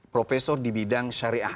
profesor di bidang syariah